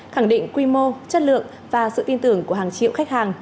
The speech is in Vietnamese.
khẳng định quy mô chất lượng và sự tin tưởng của hàng triệu khách hàng